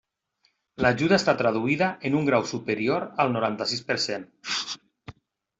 L'ajuda està traduïda en un grau superior al noranta-sis per cent.